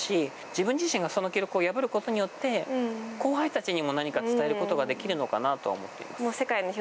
自分自身がその記録を破ることによって後輩たちにも何か伝えることができるのかなとは思います。